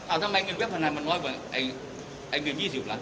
ทำไมเงินเว็บพนันมันน้อยกว่าไอ้เงิน๒๐ล้าน